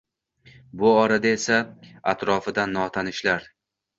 Bu orada esa atrofida notanishlar.